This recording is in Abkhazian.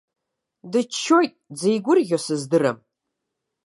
Дыччоит дзеигәырӷьо сыздырам.